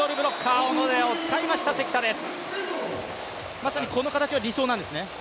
まさにこの形が理想なんですね？